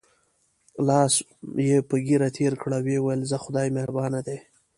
لاس یې په ږیره تېر کړ او وویل: ځه خدای مهربان دی.